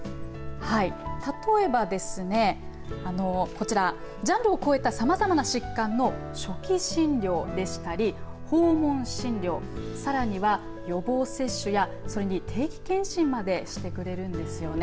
例えばですね、こちらジャンルを越えたさまざまな疾患の初期診療でしたり訪問診療さらには、予防接種やそれに定期検診までしてくれるんですよね。